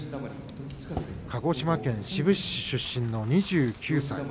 鹿児島県志布志市出身の２９歳。